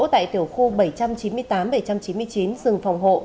tại tiểu khu bảy trăm chín mươi tám bảy trăm chín mươi chín rừng phòng hộ